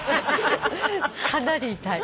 かなり痛い。